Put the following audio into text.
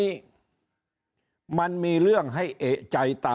ยิ่งอาจจะมีคนเกณฑ์ไปลงเลือกตั้งล่วงหน้ากันเยอะไปหมดแบบนี้